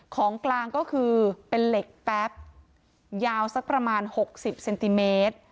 ของกลางก็คือเป็นเหล็กแป๊บยาวสักประมาณ๖๐เซนติเมตร